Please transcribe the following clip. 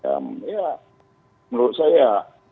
ya menurut saya